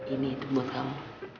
ini itu buat kamu